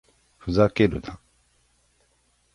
ふざけるな